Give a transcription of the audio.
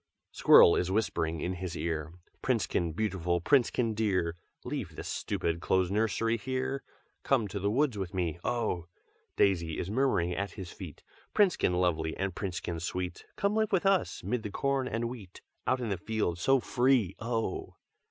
"Squirrel is whispering in his ear, 'Princekin beautiful, Princekin dear, Leave this stupid close nursery here, Come to the woods with me, oh!' Daisy is murmuring at his feet, 'Princekin lovely, and Princekin sweet, Come live with us, 'mid the corn and wheat, Out in the field so free, oh!'